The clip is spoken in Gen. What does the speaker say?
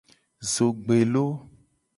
Zogbelo.